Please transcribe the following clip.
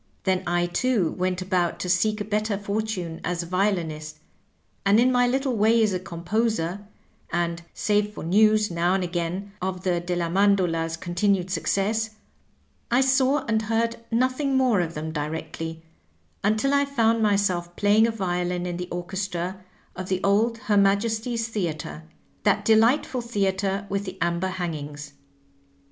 Then I, too, went about to seek a better fortune as a violinist, and in my little way as a composer, and save for news, now and again, of the Delia Mandola's continued success, I saw and heard nothing more of them directly, until I found myself playing a violin in the orchestra of the old Her Majesty's Theatre, that delightful theatre with the amber hangings.